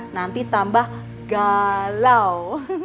nanti tambah galau